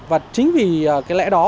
và chính vì cái lẽ đó